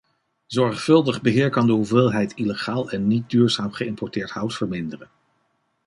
Zorgvuldig beheer kan de hoeveelheid illegaal en niet-duurzaam geïmporteerd hout verminderen.